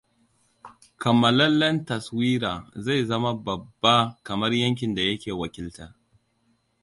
Kammalallen taswira zai zama babba kamar yankin da yake wakilta.